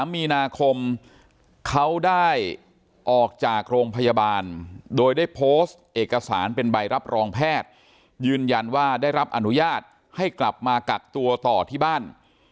มีนาคมเขาได้ออกจากโรงพยาบาลโดยได้โพสต์เอกสารเป็นใบรับรองแพทย์ยืนยันว่าได้รับอนุญาตให้กลับมากักตัวต่อที่บ้าน